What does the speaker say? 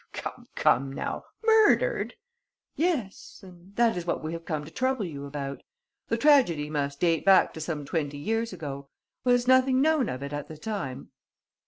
"Come, come, now! Murdered?" "Yes; and that is what we have come to trouble you about. The tragedy must date back to some twenty years ago. Was nothing known of it at the time?"